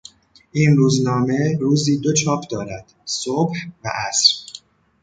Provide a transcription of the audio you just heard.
این روزنامه روزی دو چاپ دارد: صبح و عصر